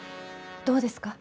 どうですか？